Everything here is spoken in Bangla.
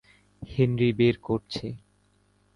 হেনরি বের করছে।